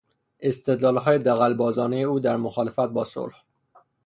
استدلالهای دغلبازانهی او در مخالفت با صلح